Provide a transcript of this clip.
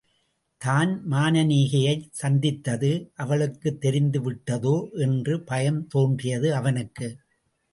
தான் மானனீகையைச் சந்தித்தது அவளுக்குத் தெரிந்துவிட்டதோ என்று பயம் தோன்றியது அவனுக்கு.